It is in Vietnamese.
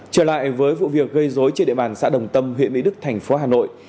trở lại với vụ việc gây dối trên địa bàn xã đồng tâm huyện mỹ đức thành phố hà nội